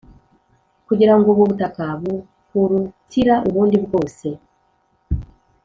kugira ngo ubu butaka bukurutira ubundi bwose,